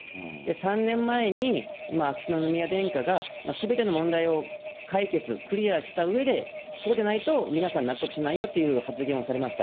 ３年前に秋篠宮殿下がすべての問題を解決、クリアしたうえで、そうでないと皆さん納得しないよって発言をされました。